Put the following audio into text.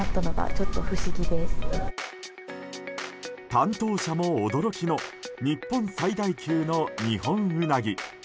担当者も驚きの日本最大級のニホンウナギ。